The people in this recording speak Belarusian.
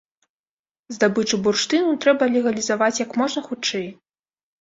Здабычу бурштыну трэба легалізаваць як можна хутчэй.